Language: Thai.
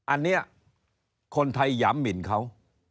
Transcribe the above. อันนี้คนไทยหยามหมินเขา